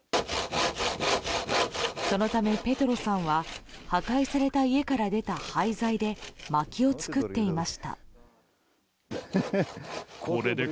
そのため、ペトロさんは破壊された家から出た廃材でまきを作っていました。